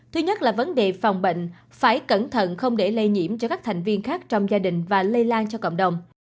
thứ nhất là vấn đề phòng bệnh phải cẩn thận không để lây nhiễm cho các thành viên khác trong gia đình và lây lan cho cộng đồng